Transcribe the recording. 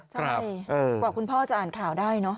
ใช่กว่าคุณพ่อจะอ่านข่าวได้เนอะ